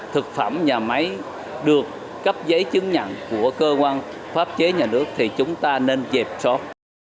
thực phẩm nhà máy được cấp giấy chứng nhận của cơ quan pháp chế nhà nước thì chúng ta nên dẹp sót